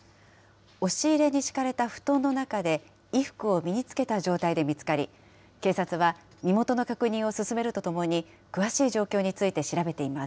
押し入れに敷かれた布団の中で、衣服を身につけた状態で見つかり、警察は身元の確認を進めるとともに、詳しい状況について調べています。